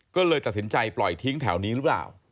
ก็เลยตัดสินใจปล่อยทิ้งแถวนี้หรือเปล่า